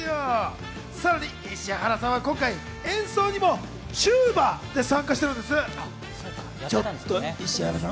さらに石原さんは今回、演奏にもチューバで参加してるんです。